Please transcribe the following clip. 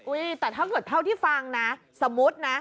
แต่ถ้าเกิดเท่าที่ฟังนะสมมุตินะ